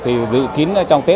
thì dự kiến trong tết